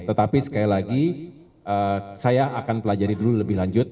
tetapi sekali lagi saya akan pelajari dulu lebih lanjut